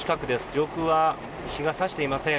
上空は日が差していません。